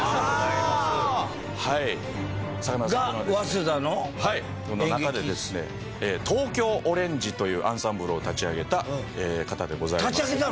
この中でですね東京オレンジというアンサンブルを立ち上げた方でございます。